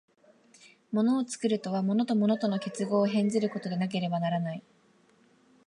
物を作るとは、物と物との結合を変ずることでなければならない。